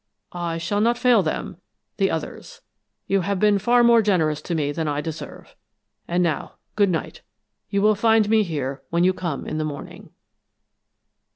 I shall not fail them the others! You have been far more generous to me than I deserve. And now good night. You will find me here when you come in the morning."